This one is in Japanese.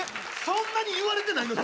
そんなに言われてないの？